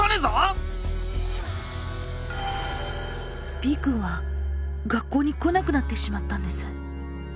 Ｂくんは学校に来なくなってしまったんです。